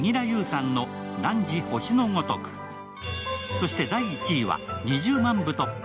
そして第１位は２０万部突破。